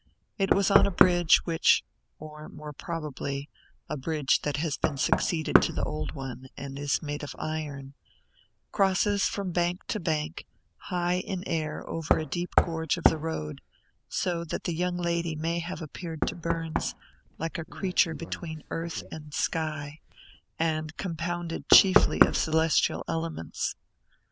It was on a bridge, which (or, more probably, a bridge that has succeeded to the old one, and is made of iron) crosses from bank to bank, high in air, over a deep gorge of the road; so that the young lady may have appeared to Burns like a creature between earth and sky, and compounded chiefly of celestial elements.